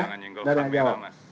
tidak ada tanya jawab